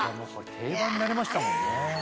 定番になりましたもんね。